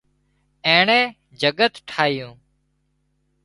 اينڻي جڳت ٺاهيون